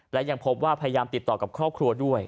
และยังพบว่าพยายามติดต่อกับครอบครัวด้วย